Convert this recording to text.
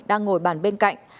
đang ngồi bàn bên cạnh